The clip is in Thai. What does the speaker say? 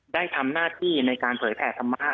ได้ทำหน้าที่ในการเผยแผ่ธรรมะ